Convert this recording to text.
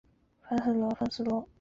圣阿沃古尔代朗代人口变化图示